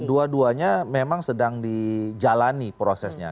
dua duanya memang sedang dijalani prosesnya